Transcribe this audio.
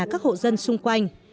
các hộ dân xung quanh